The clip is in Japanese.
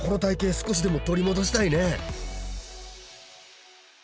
少しでも取り戻したいね！